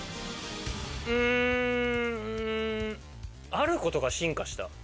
うんあることが進化した？